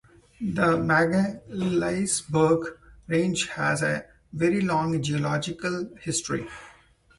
The Magaliesberg Range has a very long geological history.